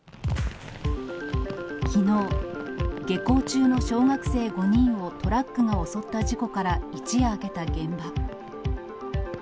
きのう、下校中の小学生５人をトラックが襲った事故から一夜明けた現場。